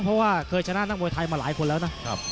เพราะว่าเคยชนะนักมวยไทยมาหลายคนแล้วนะ